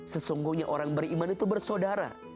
sesungguhnya orang beriman itu bersaudara